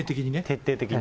徹底的に。